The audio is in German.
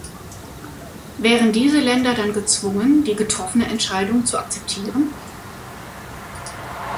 Wären diese Länder dann gezwungen, die getroffene Entscheidung zu akzeptieren?